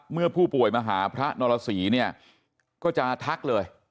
เมื่อผู้ป่วยมาหาพระนรสีเนี่ยก็จะทักเลย